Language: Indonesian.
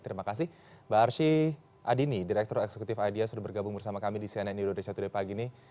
terima kasih mbak arsy adini direktur eksekutif idea sudah bergabung bersama kami di cnn indonesia today pagi ini